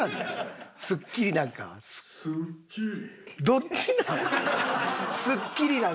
どっちなん？